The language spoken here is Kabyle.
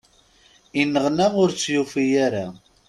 Ineɣma ur tt-yufi ara.